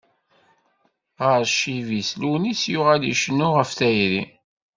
Ɣer ccib-is, Lunis yuɣal icennu ɣef tayri.